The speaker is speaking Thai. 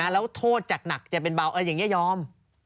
แล้วโทษจากหนักจะเป็นเบาอย่างนี้ยอม